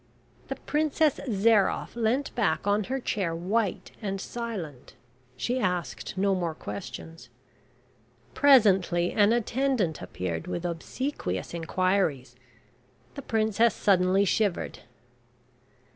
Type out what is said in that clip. The Princess Zairoff leant back on her chair white and silent. She asked no more questions. Presently an attendant appeared with obsequious inquiries. The princess suddenly shivered.